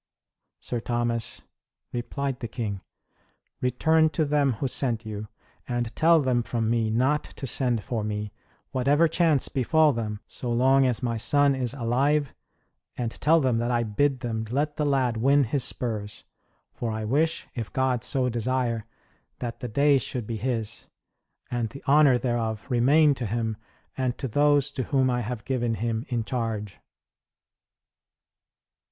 "Sir Thomas," replied the king, "return to them who sent you, and tell them from me not to send for me, whatever chance befall them, so long as my son is alive, and tell them that I bid them let the lad win his spurs; for I wish, if God so desire, that the day should be his, and the honor thereof remain to him and to those to whom I have given him in charge."